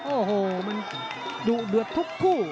โอ้โหมันดุเดือดทุกคู่